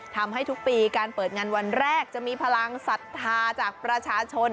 ทำให้ทุกปีการเปิดงานวันแรกจะมีพลังศรัทธาจากประชาชน